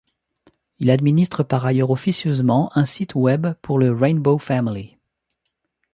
Il administre par ailleurs officieusement un site Web pour le Rainbow Family.